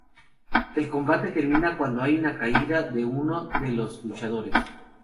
El combate termina cuando hay una caída de uno de los luchadores.